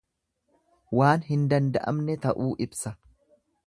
Waan hin danda'amne ta'uu ibsa.